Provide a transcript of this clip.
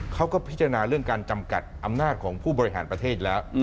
เขาก็พิจารณาเรื่องการจำกัดอำนาจของผู้บริหารประเทศแล้ว